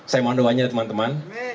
saya mohon doanya teman teman